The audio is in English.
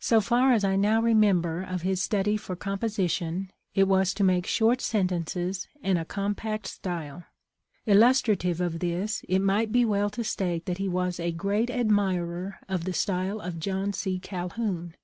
So far as I now remember of his study for composition, it was to make short sen tences and a compact style. Illustrative of this it might be well to state that he was a great admirer of the style of John C. Calhoun.